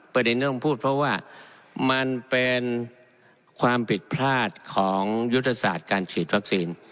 ประเด็นที่ต้องพูดเพราะว่ามันเป็นความผิดพลาดของยุทธศาสตร์การฉีดวัคซีน